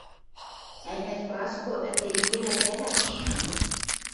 Ӓнят, Праско, ӹнде кенӓ кӓнӓш?